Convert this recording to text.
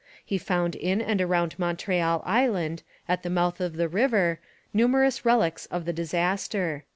He found in and around Montreal Island, at the mouth of the river, numerous relics of the disaster.